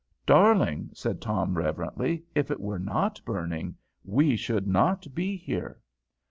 "Darling," said Tom, reverently, "if it were not burning, we should not be here."